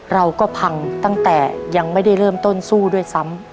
เราก็พังตั้งแต่ยังไม่ได้เริ่มต้นสู้ด้วยซ้ำ